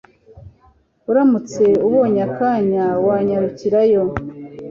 Uramutse ubonye akanya wanyarukirayo